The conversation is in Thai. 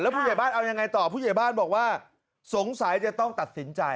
ผู้ใหญ่บ้านเอายังไงต่อผู้ใหญ่บ้านบอกว่าสงสัยจะต้องตัดสินใจ